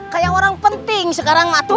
seperti orang penting sekarang